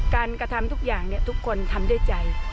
กระทำทุกอย่างทุกคนทำด้วยใจ